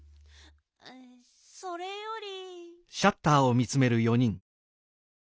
それより。